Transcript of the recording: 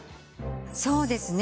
そうですね。